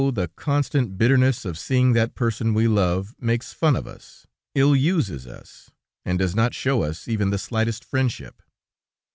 the constant bitterness of seeing that the person we love makes fun of us, ill uses us, and does not show us even the slightest friendship!"